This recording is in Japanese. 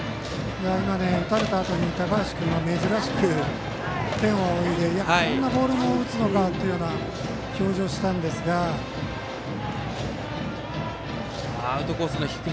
今のは、打たれたあとに高橋君が珍しく天を仰いでこんなボールも打つのかというアウトコースの低め。